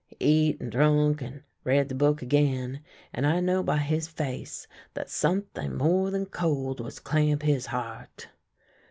He eat and drunk, and read the book again, and I know by his face that something more than cold was clamp his heart.